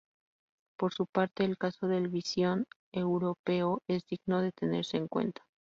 Por su parte, el caso del visón europeo es digno de tenerse en cuenta.